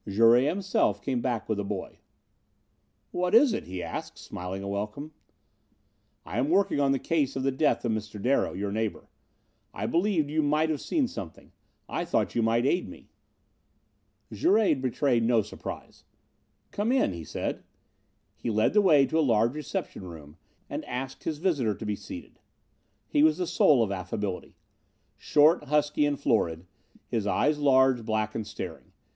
Jouret, himself, came back with the boy. "What is it?" he asked, smiling a welcome. "I am working on the case of the death of Mr. Darrow, your neighbor. I believed you might have seen something. I thought you might aid me." Jouret betrayed no surprise. "Come in," he said. He led the way to a large reception room and asked his visitor to be seated. He was the soul of affability. Short, husky and florid. His eyes large, black and staring.